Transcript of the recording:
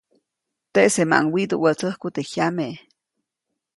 Teʼsemaʼuŋ widuʼwätsäjku teʼ jyame.